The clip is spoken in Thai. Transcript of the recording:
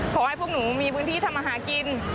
ขอให้พวกหนูมีพื้นที่ทำอาหารกิน